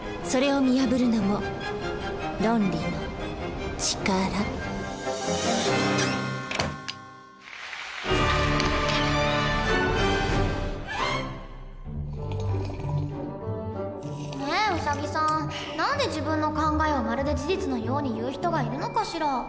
それを見破るのも「ロンリのちから」。ねえウサギさん何で自分の考えをまるで事実のように言う人がいるのかしら。